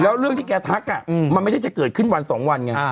แล้วเรื่องที่แกทักมันไม่ใช่จะเกิดขึ้นวัน๒วันไง